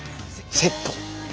セット。